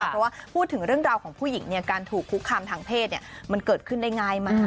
เพราะว่าพูดถึงเรื่องราวของผู้หญิงการถูกคุกคามทางเพศมันเกิดขึ้นได้ง่ายมาก